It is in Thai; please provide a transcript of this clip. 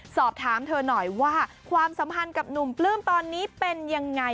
สอบถามเธอหน่อยว่าความสัมพันธ์กับหนุ่มปลื้มตอนนี้เป็นยังไง